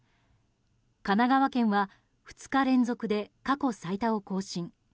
神奈川県は２日連続で過去最多を更新。